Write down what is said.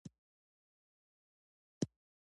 بادام د افغانستان د کلتوري میراث یوه برخه ده.